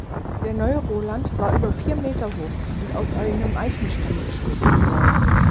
Der neue Roland war über vier Meter hoch und aus einem Eichenstamm geschnitzt worden.